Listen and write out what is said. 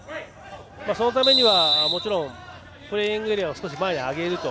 そのためにはもちろんプレーイングエリアを少し前に上げると。